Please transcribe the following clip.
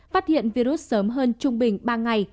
phát hiện virus sớm hơn trung bình ba ngày